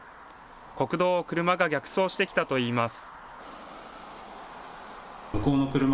国道を車が逆走してきたといいます。